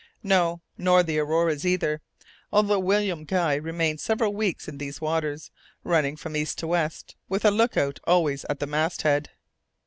"No, nor the Auroras either, although William Guy remained several weeks in those waters, running from east to west, with a look out always at the masthead."